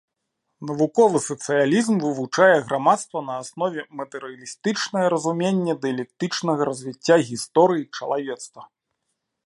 Навуковы сацыялізм вывучае грамадства на аснове матэрыялістычнае разуменне дыялектычнага развіцця гісторыі чалавецтва.